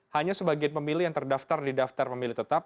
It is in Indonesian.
hanya sebagian pemilih yang terdaftar di daftar pemilih tetap